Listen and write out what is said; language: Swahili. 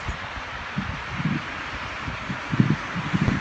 Mgonjwa ameenda